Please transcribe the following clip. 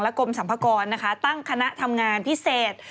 และกรมสัมภาคอนนะคะตั้งคณะทำงานพิเศษ